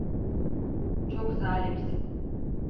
Çok zalimsin.